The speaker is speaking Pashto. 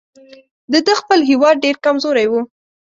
د ده خپل هیواد ډېر کمزوری وو.